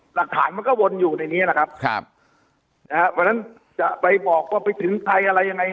หลักฐานมันก็วนอยู่ในนี้นะครับครับนะฮะเพราะฉะนั้นจะไปบอกว่าไปถึงใครอะไรยังไง